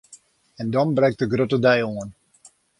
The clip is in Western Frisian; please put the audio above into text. En dan brekt de grutte dei oan!